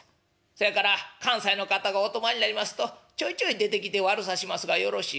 そやから関西の方がお泊まりになりますとちょいちょい出てきて悪さしますがよろしいかな？」。